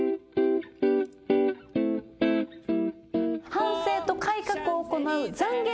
反省と改革を行うざんげ